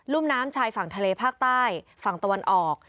ุ่มน้ำชายฝั่งทะเลภาคใต้ฝั่งตะวันออก